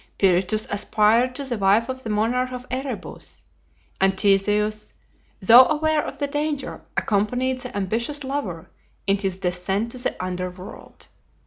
Pirithous aspired to the wife of the monarch of Erebus; and Theseus, though aware of the danger, accompanied the ambitious lover in his descent to the under world.